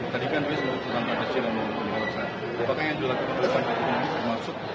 tadi kan ini semua terserah pada cina